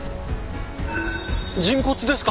人骨ですか？